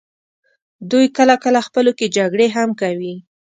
دوی کله کله خپلو کې جګړې هم کوي.